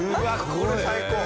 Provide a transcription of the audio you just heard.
これ最高！